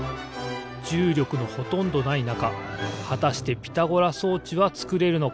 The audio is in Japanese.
じゅうりょくのほとんどないなかはたしてピタゴラ装置はつくれるのか？